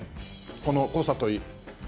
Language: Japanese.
この濃さといい。